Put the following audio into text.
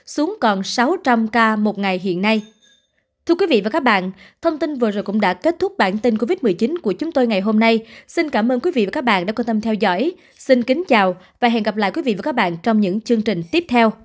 xuống còn sáu trăm linh ca một ngày hiện nay